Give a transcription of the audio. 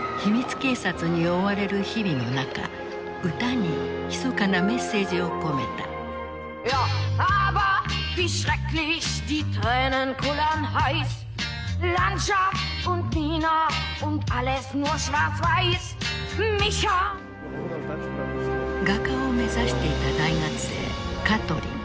警察に追われる日々の中歌にひそかなメッセージを込めた画家を目指していた大学生カトリン。